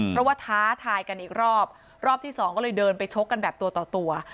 เพราะว่าท้าทายกันอีกรอบรอบที่สองก็เลยเดินไปชกกันแบบตัวต่อตัว